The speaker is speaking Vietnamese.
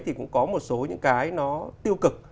thì cũng có một số những cái nó tiêu cực